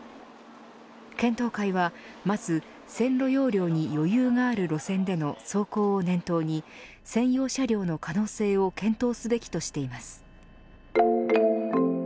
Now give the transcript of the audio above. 検討会は、まず線路容量に余裕がある路線での走行を念頭に専用車両の可能性を検討すべきとしています。